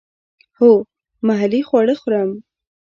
هو، محلی خواړه خورم